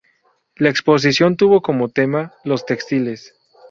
La exposición tuvo como tema los textiles.